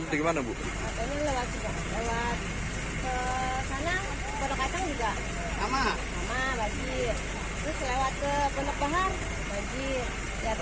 terus lewat ke kondok bahar bajir